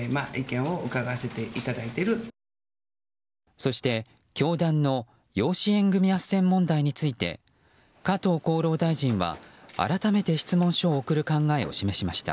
そして、教団の養子縁組あっせん問題について加藤厚労大臣は、改めて質問書を送る考えを示しました。